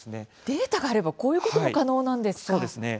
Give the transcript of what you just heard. データがあればこういうことも可能なんですか。